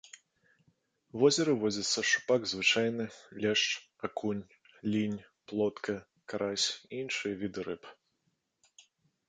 У возеры водзяцца шчупак звычайны, лешч, акунь, лінь, плотка, карась і іншыя віды рыб.